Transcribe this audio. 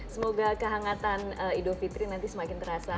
semoga kehangatan idul fitri nanti semakin terasa